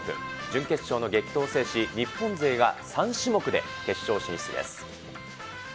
準決勝の激闘を制し、日本勢が３種目で決勝進出です。